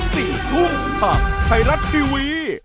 ๔ทุ่งสัปดาห์ไทรัตทีวี